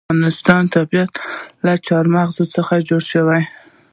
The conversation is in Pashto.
د افغانستان طبیعت له چار مغز څخه جوړ شوی دی.